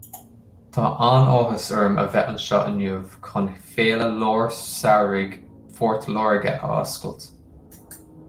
Tá an-áthas orm a bheith anseo inniu chun Féile Lár-Shamhraidh Phort Láirge a oscailt.